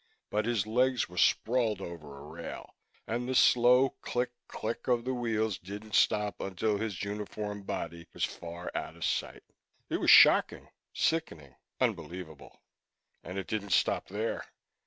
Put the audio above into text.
But his legs were sprawled over a rail. And the slow click click of the wheels didn't stop until his uniformed body was far out of sight. It was shocking, sickening, unbelievable. And it didn't stop there.